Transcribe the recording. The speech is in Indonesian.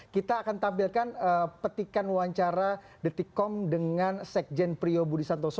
kita akan tampilkan petikan wawancara detikkom dengan sekjen prio budi santoso